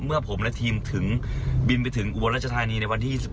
เมื่อผมและทีมถึงบินไปถึงอุบลรัชธานีในวันที่๒๑